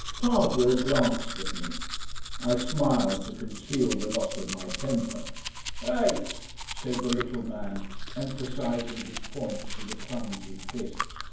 Tarvrille glanced at me. I smiled to conceal the loss of my temper. "Hate," said the little man, emphasising his point with a clumsy fist.